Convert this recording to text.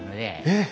えっ！